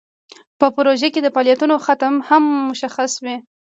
په پروژه کې د فعالیتونو ختم هم مشخص وي.